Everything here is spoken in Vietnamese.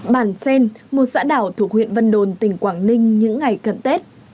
bản sen một xã đảo thuộc huyện vân đồn tỉnh quảng ninh những ngày cận tết